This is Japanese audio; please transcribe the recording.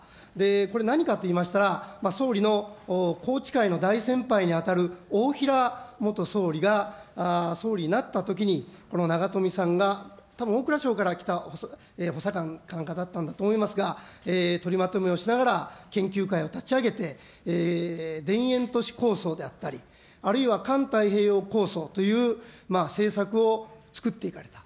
これ、何かといいましたら、総理の宏池会の大先輩に当たる大平元総理が総理になったときに、このながとみさんがたぶん大蔵省から来た補佐官か何かだったと思いますが、取りまとめをしながら、研究会を立ち上げて、田園都市構想であったり、あるいは、環太平洋構想という政策を作っていかれた。